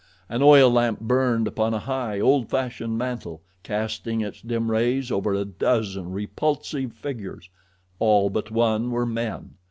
An oil lamp burned upon a high, old fashioned mantel, casting its dim rays over a dozen repulsive figures. All but one were men.